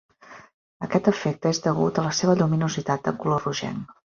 Aquest efecte és degut a la seva lluminositat de color rogenc.